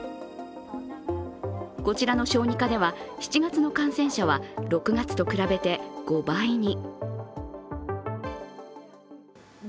こちらの小児科では７月の感染者は６月と比べて５倍に。